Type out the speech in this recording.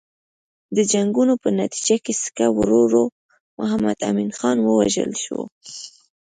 د جنګونو په نتیجه کې سکه ورور محمد امین خان ووژل شو.